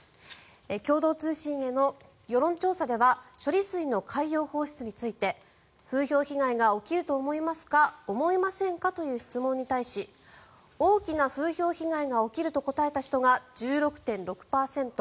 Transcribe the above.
共同通信の世論調査では処理水の海洋放出について風評被害が起きると思いますか思いませんかという質問に対し大きな風評被害が起きると答えた人が１６．６％